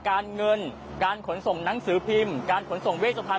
การเงินการขนส่งหนังสือพิมพ์การขนส่งเวชพันธ